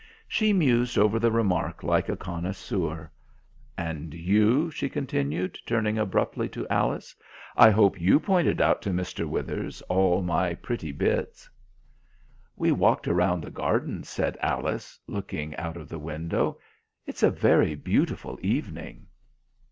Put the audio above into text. She mused over the remark like a connoisseur. "And you," she continued, turning abruptly to Alice, "I hope you pointed out to Mr. Withers all my pretty bits?" "We walked round the garden," said Alice, looking out of the window. "It's a very beautiful evening."